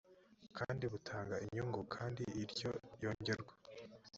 kandi butanga inyungu kandi iryo yongerwa